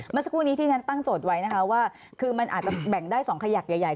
เมื่อสักครู่นี้ที่ฉันตั้งโจทย์ไว้นะคะว่าคือมันอาจจะแบ่งได้๒ขยักใหญ่